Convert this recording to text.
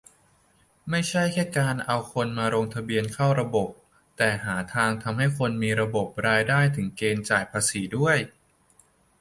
ไม่ใช่แค่การเอาคนมาลงทะเบียนเข้าระบบ แต่หาทางทำให้คนในระบบมีรายได้ถึงเกณฑ์จ่ายภาษีด้วย